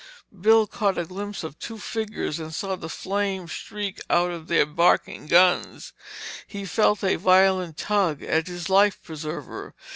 Bill caught a glimpse of two figures and saw the flame streak out from their barking guns. He felt a violent tug at his life preserver.